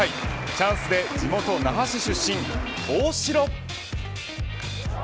チャンスで地元那覇市出身、大城。